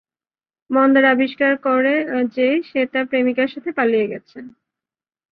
মন্দার আবিষ্কার করে যে সে তার প্রেমিকার সাথে পালিয়ে গেছে।